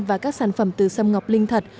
và các sản phẩm từ xâm ngọc linh thật